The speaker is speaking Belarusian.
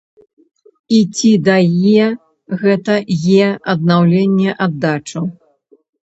І ці да е гэта е аднаўленне аддачу?